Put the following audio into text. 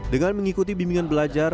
dengan mengikuti bimbingan belajar